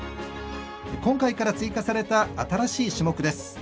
今回から追加された新しい種目です。